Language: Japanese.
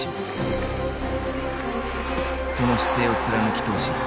その姿勢を貫き通し